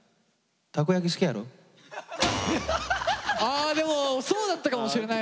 あでもそうだったかもしれない。